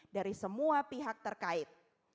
dari semua pihak terkait